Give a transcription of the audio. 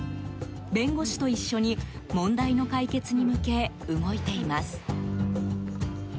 弁護士と一緒に問題の解決に向け動いています。